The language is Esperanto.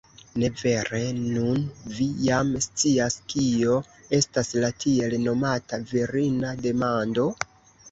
Ne vere, nun vi jam scias, kio estas la tiel nomata virina demando?